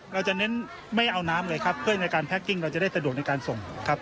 เราจะเน้นไม่เอาน้ำเลยครับเพื่อในการแพ็กกิ้งเราจะได้สะดวกในการส่งครับ